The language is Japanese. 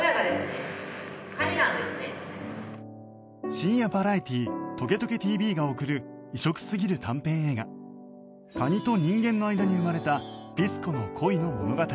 深夜バラエティー『トゲトゲ ＴＶ』が送る異色すぎる短編映画蟹と人間の間に生まれたピス子の恋の物語